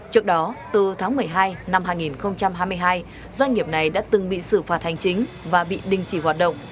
trước đó từ tháng một mươi hai năm hai nghìn hai mươi hai doanh nghiệp này đã từng bị xử phạt hành chính và bị đình chỉ hoạt động